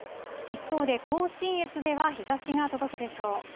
一方で、甲信越では日ざしが届くでしょう。